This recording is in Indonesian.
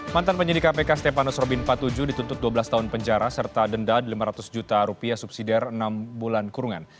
mantan penyidik kpk stepanus robin empat puluh tujuh dituntut dua belas tahun penjara serta denda lima ratus juta rupiah subsidiar enam bulan kurungan